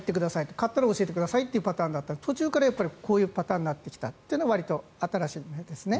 買ったら教えてくださいというパターンだったのに途中からこういうパターンになってきたのはわりと新しいですね。